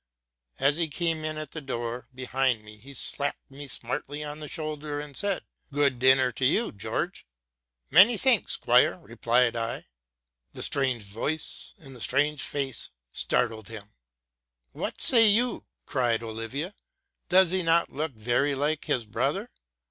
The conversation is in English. As he came im at the door behind me. he slapped me smartly 50 TRUTH AND FICTION on the shoulder, and said, '' Good dinner to you. George !"'—'+ Many thanks, squire,'' replied I. The strange yoice and the strange face startled him. '* What say you?'' cried Olivia: does he not look very like his brother?